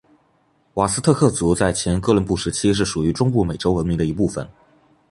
瓦斯特克族在前哥伦布时期是属于中部美洲文明的一部份。